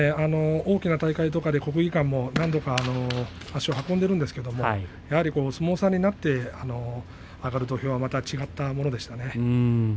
大きな大会で国技館も何度も足を運んでいますがやっぱり、お相撲さんになって上がる土俵はまた違ったものでしたね。